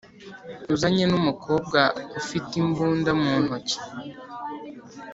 uzanye numukobwa ufite imbunda muntoki